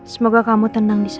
semoga kamu tenang di sini